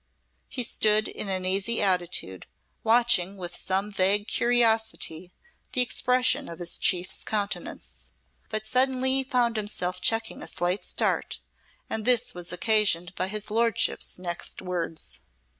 He stood in an easy attitude, watching with some vague curiosity the expression of his chief's countenance. But suddenly he found himself checking a slight start, and this was occasioned by his Lordship's next words.